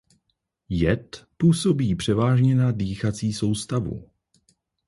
Jed působí převážně na dýchací soustavu.